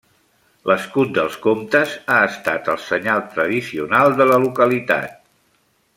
L'escut dels comtes ha estat el senyal tradicional de la localitat.